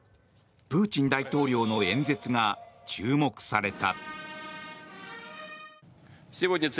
プーチン大統領の演説が注目された。